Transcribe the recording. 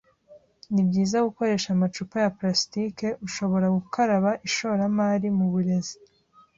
nibyiza gukoresha amacupa ya plastike ushobora gukaraba Ishoramari mu burezi